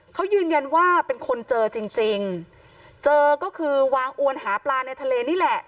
เขายืนยันว่าเป็นคนเจอจริงจริงเจอก็คือวางอวนหาปลาในทะเลนี่แหละ